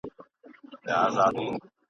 چي طلاوي نه وې درې واړه یاران ول ..